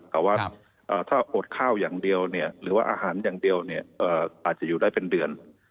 แต่ว่าถ้าอดข้าวอย่างเดียวหรือว่าอาหารอย่างเดียวอาจจะอยู่ได้เป็นเดือน